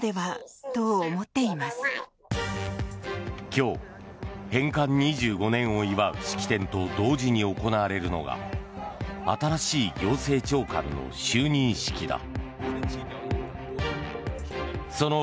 今日、返還２５年を祝う式典と同時に行われるのが新しい行政長官の就任式だ。